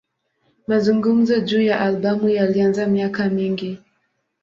Mazungumzo juu ya albamu yalianza miaka mingi.